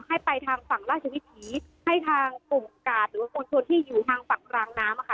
ให้ไปทางฝั่งราชวิถีให้ทางกลุ่มกาดหรือว่ามวลชนที่อยู่ทางฝั่งรางน้ำค่ะ